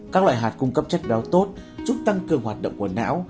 các loại hạt cung cấp chất béo tốt giúp tăng cường hoạt động của não